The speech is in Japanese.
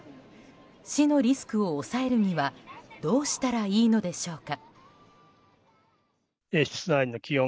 死のリスクを抑えるにはどうしたらいいのでしょうか。